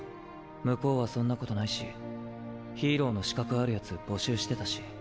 向こうはそんなことないしヒーローの資格ある奴募集してたし。